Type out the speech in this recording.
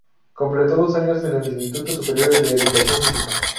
Completó dos años en el Instituto Superior de Educación Física.